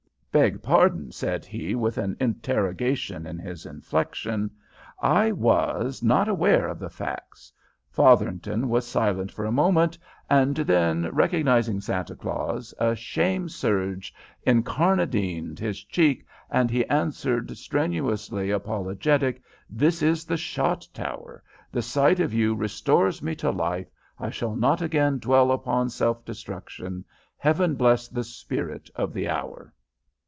"'Beg pardon!' said he, with an interrogation in his inflection. 'I was not aware of the facts.' Fotherington was silent for a moment, and then, recognizing Santa Claus, a shame surge encarnadined his cheek, and he answered, strenuously apologetic: 'This is the shot tower. The sight of you restores me to life. I shall not again dwell upon self destruction. Heaven bless the spirit of the hour.'